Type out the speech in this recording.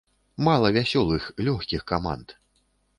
Мала вясёлых, лёгкіх каманд.